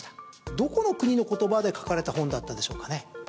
どこの国の言葉で書かれた本だったでしょうかね？